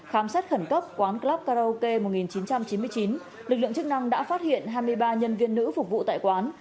khám xét khẩn cấp quán karaoke một nghìn chín trăm chín mươi chín lực lượng chức năng đã phát hiện hai mươi ba nhân viên nữ phục vụ tại quán